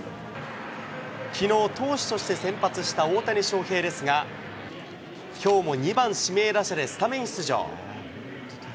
きのう、投手として先発した大谷翔平ですが、きょうも２番指名打者でスタメン出場。